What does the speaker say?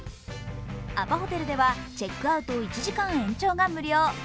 アパホテルではチェックアウト１時間延長が無料。